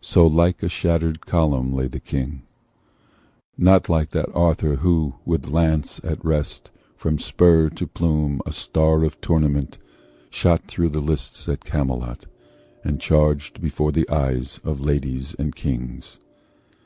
So like a shattered column lay the King; Not like that Arthur who, with lance in rest, From spur to plume a star of tournament, Shot through the lists at Camelot, and charged Before the eyes of ladies and of kings.